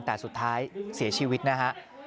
แต่สุดท้ายเสียชีวิตนะฮะ